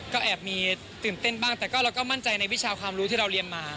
ก็แอบมีตื่นเต้นบ้างแต่ก็เราก็มั่นใจในวิชาความรู้ที่เราเรียนมา